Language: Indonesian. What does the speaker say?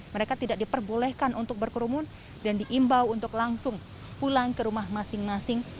mereka tidak diperbolehkan untuk berkerumun dan diimbau untuk langsung pulang ke rumah masing masing